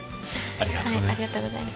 ありがとうございます。